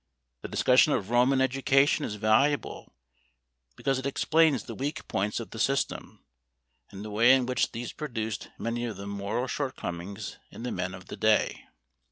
The discussion of Roman education is valuable because it explains the weak points of the system and the way in which these produced many of the moral shortcomings in the men of the day.